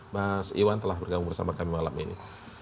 mas iwan telah bergabung bersama kami malam ini